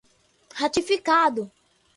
ratificado